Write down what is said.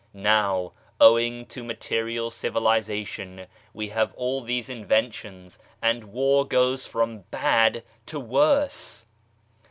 Now, owing to material civilization, we have all these inventions, and war goes from bad to worse